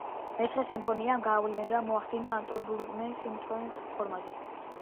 მეცხრე სიმფონიამ გავლენა მოახდინა ანტონ ბრუკნერის სიმფონიების ფორმაზე.